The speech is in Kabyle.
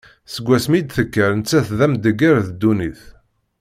Seg wasmi i d-tekker, nettat d amdegger d ddunit.